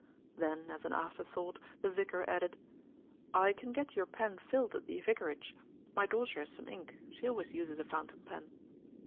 Then as an afterthought the vicar added, "I can get your pen filled at the vicarage. My daughter has some ink; she always uses a fountain pen."